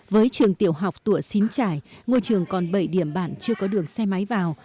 với trường tiểu học tụa xín trải ngôi trường còn bảy điểm bản chưa có đường xe máy vào